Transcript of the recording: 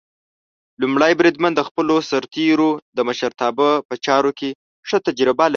لومړی بریدمن د خپلو سرتېرو د مشرتابه په چارو کې ښه تجربه لري.